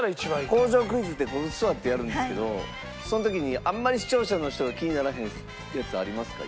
工場クイズって座ってやるんですけどその時にあんまり視聴者の人が気にならへんやつありますか？